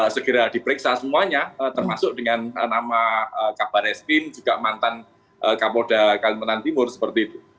segera diperiksa semuanya termasuk dengan nama kabar eskrim juga mantan kapolda kalimantan timur seperti itu